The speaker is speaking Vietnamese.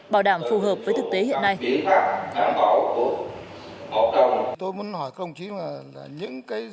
bảo đảm phù hợp với thực tế hiện nay